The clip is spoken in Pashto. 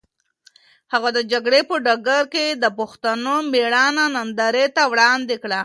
هغه د جګړې په ډګر کې د پښتنو مېړانه نندارې ته وړاندې کړه.